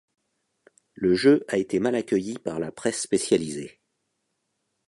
Le jeu a été mal accueilli par la presse spécialisée.